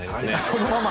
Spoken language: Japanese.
そのまま？